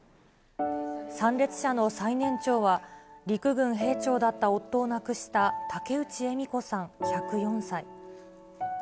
参列者の最年長は、陸軍兵長だった夫を亡くしたたけうち笑子さん１０４歳。